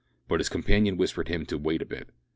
But his companion whispered him to wait a bit.